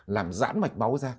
làm giãn mạch máu ra